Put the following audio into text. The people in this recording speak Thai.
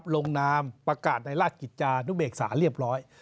ลงนามประกาศในราชกิจจานุเบกษาเรียบร้อย